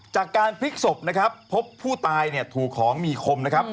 จากการพลิกศพนะครับพบผู้ตายเนี่ยถูกของมีคมนะครับ